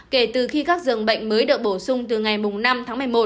kể từ khi các dường bệnh mới được bổ sung từ ngày năm tháng một mươi một